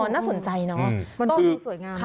น่าสนใจเนาะมันต้องมีสวยงาม